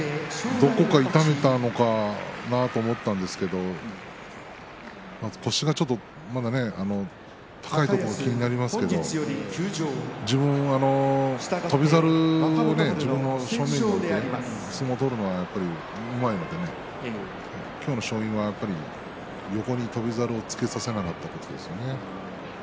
どこか痛めたのかなと思ったんですけれど腰がちょっとまだ高いところが気になりますけれど自分は翔猿を自分の正面に置いて相撲を取るのがうまいので今日の勝因は、やっぱり横に翔猿をつけさせなかったことですよね。